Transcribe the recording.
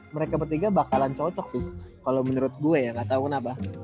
mereka bertiga bakalan cocok sih kalo menurut gua ya ga tau kenapa